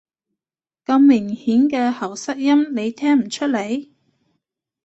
咁明顯嘅喉塞音，你聽唔出來？